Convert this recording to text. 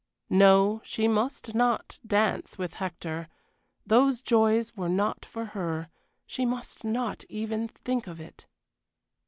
No, she must not dance with Hector. Those joys were not for her she must not even think of it.